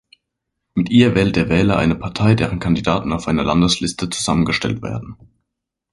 Mit ihr wählt der Wähler eine Partei, deren Kandidaten auf einer Landesliste zusammengestellt werden.